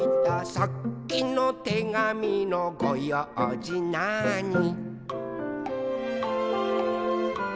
「さっきのてがみのごようじなーに」